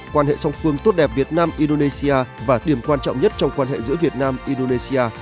quan hệ song phương tốt đẹp việt nam indonesia và điểm quan trọng nhất trong quan hệ giữa việt nam indonesia